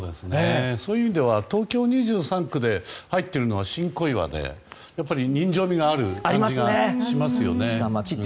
そういう意味では東京２３区で入っているのは新小岩で人情味がある感じがしますよね。